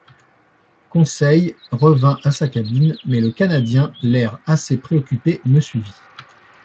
Conseil revint à sa cabine mais le Canadien, l’air assez préoccupé, me suivit.